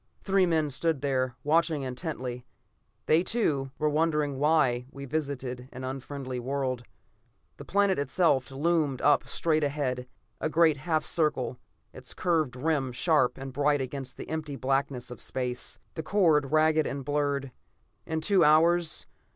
Three men stood there, watching intently; they too, were wondering why we visited the unfriendly world. The planet itself loomed up straight ahead, a great half circle, its curved rim sharp and bright against the empty blackness of space; the chord ragged and blurred. In two hours